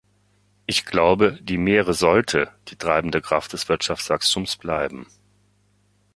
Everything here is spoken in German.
Ich glaube, die Meere sollte die treibende Kraft des Wirtschaftswachstums bleiben.